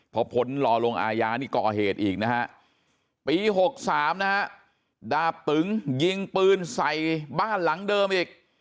พอผลรอลงอาญานี่ก่อเหตุอีกนะฮะปี๖๓นะฮะดาบตึงยิงปืนใส่บ้านหลังเดิมอีก